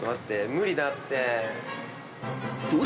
無理だって。